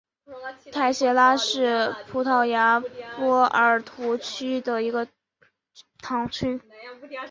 泰谢拉是葡萄牙波尔图区的一个堂区。